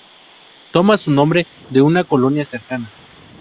Toma su nombre de una colonia cercana.